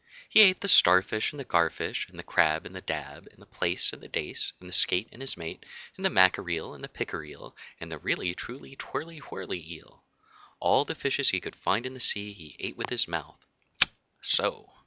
He ate the starfish and the garfish, and the crab and the dab, and the plaice and the dace, and the skate and his mate, and the mackereel and the pickereel, and the really truly twirly whirly eel. All the fishes he could find in all the sea he ate with his mouth so!